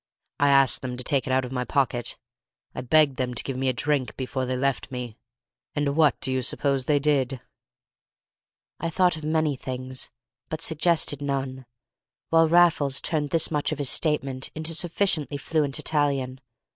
I asked them to take it out of my pocket. I begged them to give me a drink before they left me. And what do you suppose they did?" I thought of many things but suggested none, while Raffles turned this much of his statement into sufficiently fluent Italian.